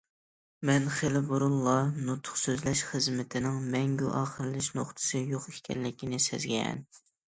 مەن خېلى بۇرۇنلا نۇتۇق سۆزلەش خىزمىتىمنىڭ مەڭگۈ ئاخىرلىشىش نۇقتىسى يوق ئىكەنلىكىنى سەزگەن.